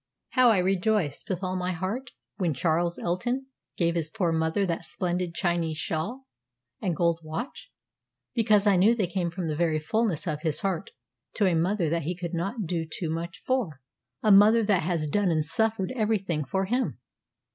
How I rejoiced with all my heart, when Charles Elton gave his poor mother that splendid Chinese shawl and gold watch! because I knew they came from the very fulness of his heart to a mother that he could not do too much for a mother that has done and suffered every thing for him.